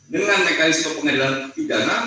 dengan mekanisme pengadilan pidana